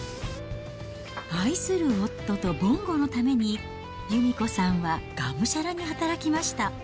愛する夫とぼんごのために、由美子さんはがむしゃらに働きました。